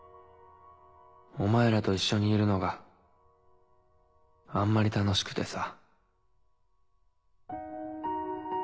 お前らと一緒にいるのがあんまり楽しくてさ。